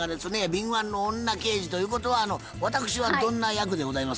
敏腕の女刑事ということは私はどんな役でございますかね？